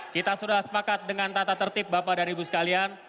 kita sudah sepakat dengan tata tertib bapak dan ibu sekalian